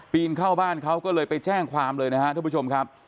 นเข้าบ้านเขาก็เลยไปแจ้งความเลยนะครับทุกผู้ชมครับ